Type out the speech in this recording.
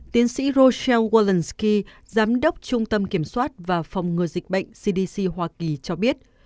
tiến sĩ roseel worldsky giám đốc trung tâm kiểm soát và phòng ngừa dịch bệnh cdc hoa kỳ cho biết